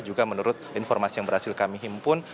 juga menurut informasi yang berhasil kami himpun